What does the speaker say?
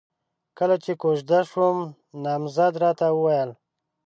کله چې کوژده شوم، نامزد راته وويل: